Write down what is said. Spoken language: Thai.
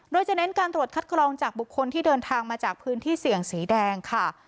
โดยจะเน้นการตรวจคัดกรองจากบุคคลที่เดินทางมาจากพื้นที่เสี่ยงสีแดงค่ะ